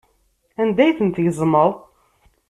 Anda ay ten-tgezmeḍ?